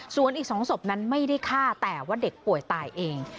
ส่วนอีก๒ศพนั้นไม่ได้ฆ่าแต่ว่าเด็กป่วยตายเอง